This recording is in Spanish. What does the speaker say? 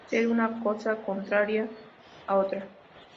Ser una cosa contraria a otra.